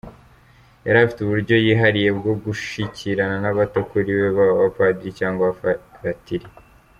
Yari afite uburyo yihariye bwo gushyikirana n’abato kuri we, baba Abapadiri cyangwa Abafaratiri.